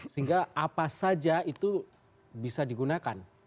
sehingga apa saja itu bisa digunakan